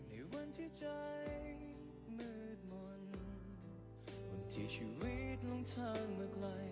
ในวันที่ใจมืดมนต์วันที่ชีวิตลงทางเมื่อใคร